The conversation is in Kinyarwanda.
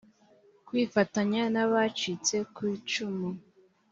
kwifatanya n abacitse kw icumu